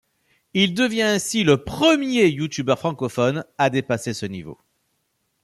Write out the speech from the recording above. Il devient ainsi le premier youtubeur francophone à dépasser ce niveau.